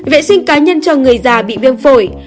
vệ sinh cá nhân cho người già bị viêm phổi